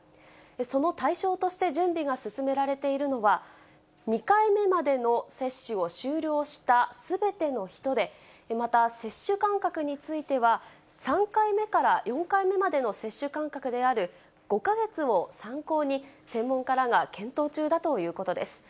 その対象として準備が進められているのは、２回目までの接種を終了したすべての人で、また、接種間隔については、３回目から４回目までの接種間隔である５か月を参考に、専門家らが検討中だということです。